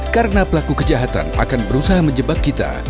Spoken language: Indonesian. karena pelaku kejahatan akan berusaha menjebak kita